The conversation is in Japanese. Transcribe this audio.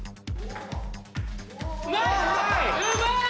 うまい！